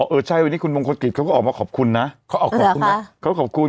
เออใช่วันนี้คุณมงคลกิจเขาก็ออกมาขอบคุณนะเขาออกขอบคุณไหมเขาขอบคุณ